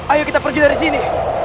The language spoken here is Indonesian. ayo kita pergi dari sini